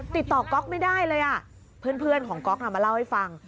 ติดต่อก๊อกไม่ได้เลยเพื่อนของก๊อกมาเล่าให้ฟัง